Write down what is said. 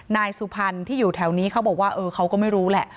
นายสุพรรณที่อยู่แถวนี้เขาบอกว่าเออเขาก็ไม่รู้แหละ